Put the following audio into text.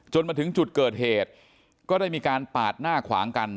มาถึงจุดเกิดเหตุก็ได้มีการปาดหน้าขวางกัน